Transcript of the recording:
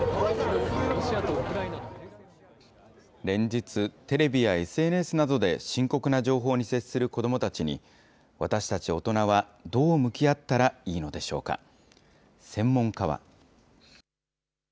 連日、テレビやＳＮＳなどで、深刻な情報に接する子どもたちに、私たち大人はどう向き合ったらいいのでしょうか。